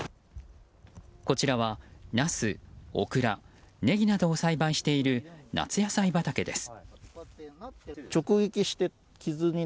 こちらは、ナス、オクラネギなどを栽培している夏野菜畑です。